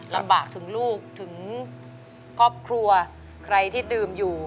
ลำบากถึงลูกถึงครอบครัวใครที่ดื่มอยู่